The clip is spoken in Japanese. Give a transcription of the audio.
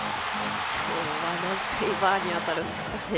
今日は何回、バーに当たるんですかね。